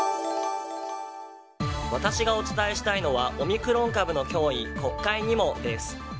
私がお伝えしたいのはオミクロン株の脅威国会にもです。